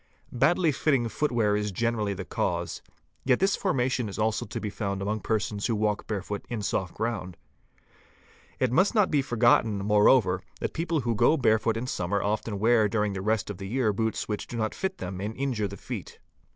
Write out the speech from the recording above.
Badly fitting footwear is gene rally the cause. Yet this formation is also to be found among persons who work barefoot in soft ground. It must not be forgotten, moreover, that people who go barefoot in summer often wear during the rest of the year boots which do not fit them and injure the feet.